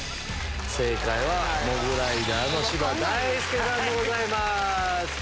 正解はモグライダーの芝大輔さんでございます。